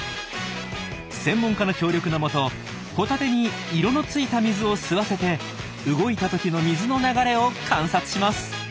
専門家の協力の下ホタテに色のついた水を吸わせて動いた時の水の流れを観察します。